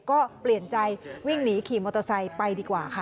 ก็เปลี่ยนใจวิ่งหนีขี่มอเตอร์ไซค์ไปดีกว่าค่ะ